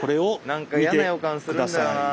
なんか嫌な予感するんだよな。